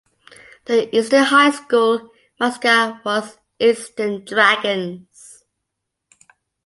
The Easton High School mascot was Easton Dragons.